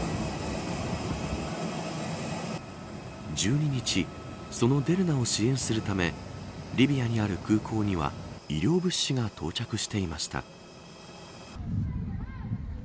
１２日そのデルナを支援するためリビアにある空港には医療物資が到着していました。